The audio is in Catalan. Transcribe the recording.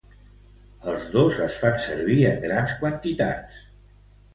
Els dos es fan servir en grans quantitats.